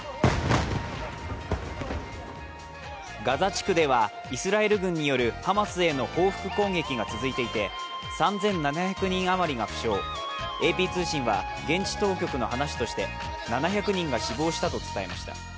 ガザ地区ではイスラエル軍によるハマスへの報復攻撃が続いていて３７００人余りが負傷、ＡＰ通信は現地当局の話として７００人が死亡したと伝えました。